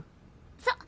そう！